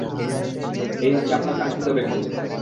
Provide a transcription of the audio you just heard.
এই হচ্ছে আপনার কাঙ্ক্ষিত ব্যক্তি।